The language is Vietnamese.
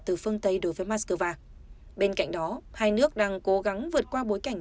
từ phương tây đối với moscow bên cạnh đó hai nước đang cố gắng vượt qua bối cảnh